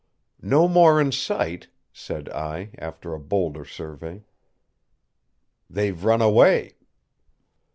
"No more in sight," said I, after a bolder survey. "They've run away."